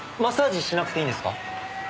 マッサージしなくていいんですか？